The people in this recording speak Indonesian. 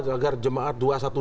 agar jemaat dua ratus dua belas